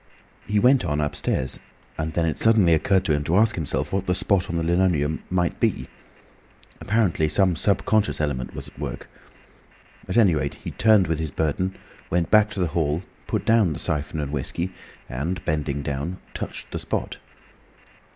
He went on upstairs, and then it suddenly occurred to him to ask himself what the spot on the linoleum might be. Apparently some subconscious element was at work. At any rate, he turned with his burden, went back to the hall, put down the syphon and whiskey, and bending down, touched the spot.